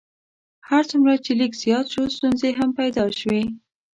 هر څومره چې لیک زیات شو ستونزې هم پیدا شوې.